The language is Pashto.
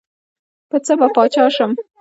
پۀ څۀ به باچا شم ـ